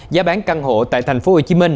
giá bán căn hộ tại tp hcm